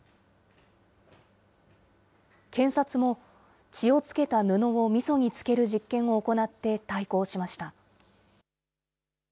検察も、血を付けた布をみそに漬ける実験を行って対抗しました。